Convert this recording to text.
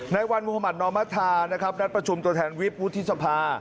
ในวันมุธมัธนอมธานะครับนัดประชุมตัวแทนวิบวุฒิสภา